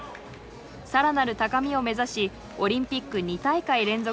更なる高みを目指しオリンピック２大会連続